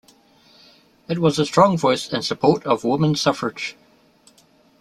It was a strong voice in support of woman's suffrage.